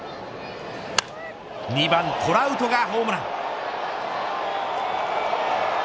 ２番トラウトがホームラン。